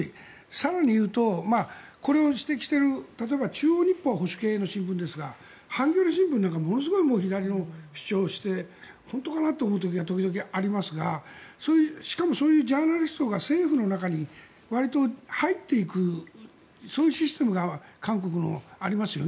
更に言うとこれを指摘している中央日報は保守系ですがハンギョレ新聞なんかは左の主張をして本当かなと思う時が時々ありますがしかもそういうジャーナリストが政府の中にわりと入っていくそういうシステムが韓国にありますよね。